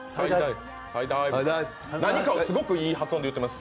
何かをすごくいい発音で言ってます。